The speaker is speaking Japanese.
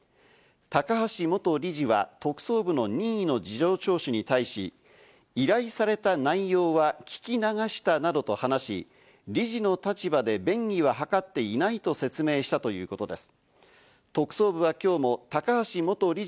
高橋元理事は特捜部の任意の事情聴取に対し、依頼された内容は聞き流したなどと話し、理事の立場で便宜は図っていないと説明したということです。